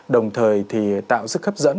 đồng thời thì tạo sức hấp dẫn